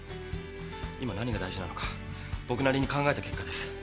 今何が大事なのか僕なりに考えた結果です。